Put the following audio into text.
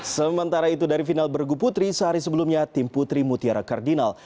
sementara itu dari final bergu putri sehari sebelumnya tim putri mutiara kardinal